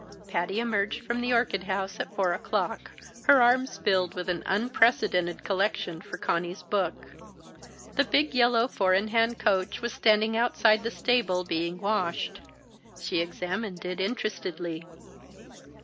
Patty emerged from the orchid house at four o'clock, her arms filled with an unprecedented collection for Conny's book. The big yellow four in hand coach was standing outside the stable being washed. She examined it interestedly.